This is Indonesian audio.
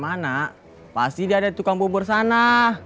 pak haji sodik pasti di ada di tukang bumbur sana